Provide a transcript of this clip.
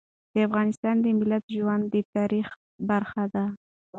د افغانستان د ملت ژوند د تاریخ برخه ده.